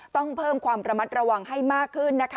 ต้องเพิ่มความระมัดระวังให้มากขึ้นนะคะ